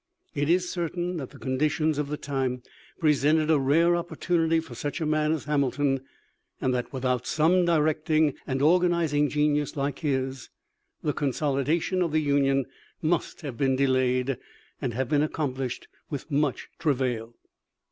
It is certain that the conditions of the time presented a rare opportunity for such a man as Hamilton, and that without some directing and organizing genius like his, the consolidation of the Union must have been delayed, and have been accomplished with much travail.